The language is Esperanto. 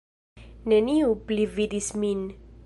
Neniu pli vidis min.